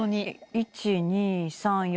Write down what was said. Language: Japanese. １・２・３・４。